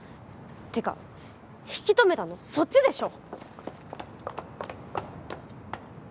ていうか引き止めたのそっちでしょ！